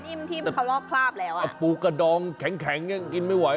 ปูนิ่มที่เขาลอบคราบแล้วอ่ะปูกระดองแข็งแข็งยังกินไม่ไหว